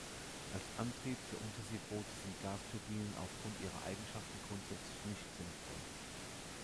Als Antrieb für Unterseeboote sind Gasturbinen aufgrund ihrer Eigenschaften grundsätzlich "nicht" sinnvoll.